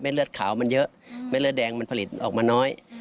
เลือดขาวมันเยอะไม่เลือดแดงมันผลิตออกมาน้อย